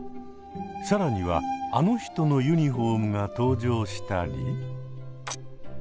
更にはあの人のユニホームが登場したり。